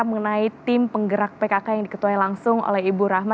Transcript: mengenai tim penggerak pkk yang diketuai langsung oleh ibu rahma